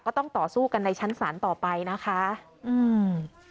ต้องต่อสู้กันในชั้นศาลต่อไปนะคะอืม